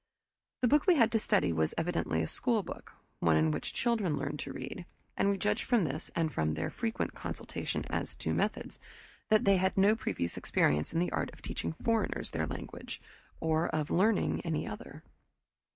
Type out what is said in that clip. The book we had to study was evidently a schoolbook, one in which children learned to read, and we judged from this, and from their frequent consultation as to methods, that they had had no previous experience in the art of teaching foreigners their language, or of learning any other.